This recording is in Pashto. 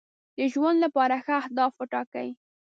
د ژوند لپاره ښه اهداف وټاکئ.